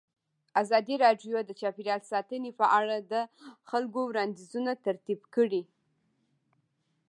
ازادي راډیو د چاپیریال ساتنه په اړه د خلکو وړاندیزونه ترتیب کړي.